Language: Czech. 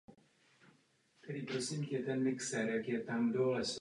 Na stole jsou plány k obnovení budovy do jejího původního stavu.